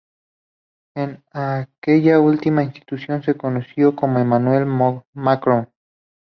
En aquella última institución se conoció con Emmanuel Macron.